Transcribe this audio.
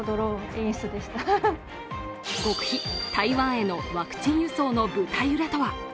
極秘、台湾へのワクチン輸送の舞台裏とは。